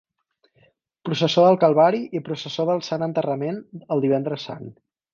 Processó al Calvari i processó del Sant Enterrament el Divendres Sant.